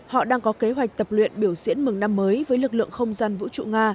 họ đang có kế hoạch tập luyện biểu diễn mừng năm mới với lực lượng không gian vũ trụ nga